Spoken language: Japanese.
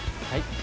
はい。